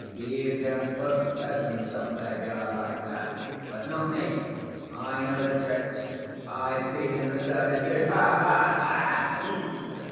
You can put peasants off their guard like that, but not me. I know the tricks. I've been in the service, too. Ha ha ha!